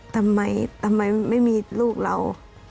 ทำไมไม่มีลูกเรา